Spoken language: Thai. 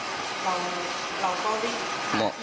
เราก็วิ่งออกมา